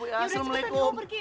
kita dulu pergi